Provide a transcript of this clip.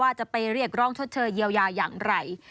จะไปเรียกร้องชดเชยเยียวยาอย่างไร